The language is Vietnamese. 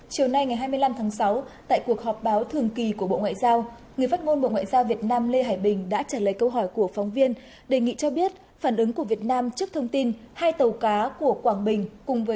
hãy đăng ký kênh để ủng hộ kênh của chúng mình nhé